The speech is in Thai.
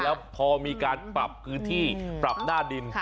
แล้วพอมีการปรับพื้นที่ปรับหน้าดิน